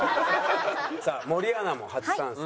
さあ森アナも初参戦。